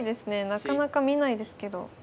なかなか見ないですけど。